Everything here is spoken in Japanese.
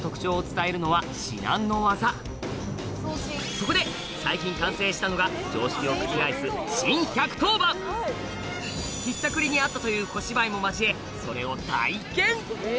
そこで最近完成したのがひったくりに遭ったという小芝居も交えそれを体験